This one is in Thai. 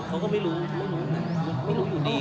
เขาก็ไม่รู้อยู่ดี